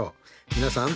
皆さん。